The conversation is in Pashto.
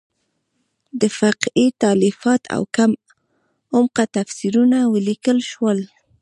د فقهې تالیفات او کم عمقه تفسیرونه ولیکل شول.